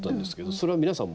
それは皆さん